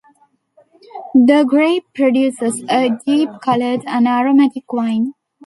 The grape produces a deep-colored and aromatic wine.